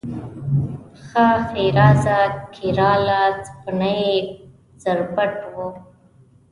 ښه ښېرازه کیراله، سپینکۍ زربټ و